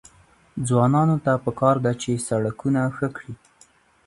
ځوانانو ته پکار ده چې، سړکونه ښه کړي.